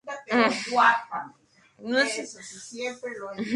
Mary Jane fue un personaje creado por Brown Shoe Company.